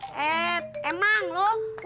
eh emang lo